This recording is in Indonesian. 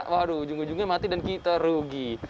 waduh ujung ujungnya mati dan kita rugi